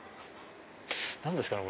何ですかね？